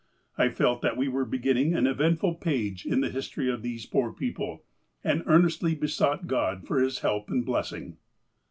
I felt that we were beginning an eventful page in the history of these poor people, and earnestly besought God for His help and blessing."